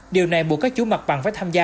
điều này buộc các chủ mặt bằng phải tham gia